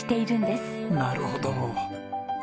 なるほど。